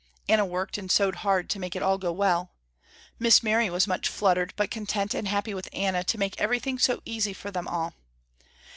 Anna worked and sewed hard to make it all go well. Miss Mary was much fluttered, but content and happy with Anna to make everything so easy for them all.